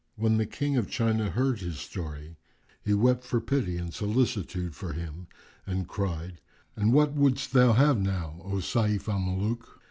When the King of China heard his story, he wept for pity and solicitude for him and cried, "And what wouldst thou have now, O Sayf al Muluk?"